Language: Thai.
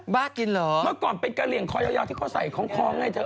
กินเหรอเมื่อก่อนเป็นกะเหลี่ยงคอยาวที่เขาใส่ของไงเธอ